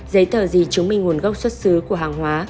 giấy tờ gì chứng minh nguồn gốc xuất xứ của hàng hóa